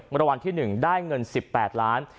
รางวัลที่๑ได้เงิน๑๘ล้าน